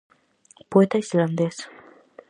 Poeta islandés.